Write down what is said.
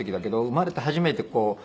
生まれて初めてこう。